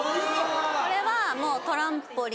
これはトランポリン。